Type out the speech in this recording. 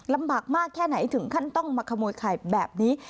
ลำบากมากแค่ไหนถึงขั้นต้องมาขโมยไข่แบบนี้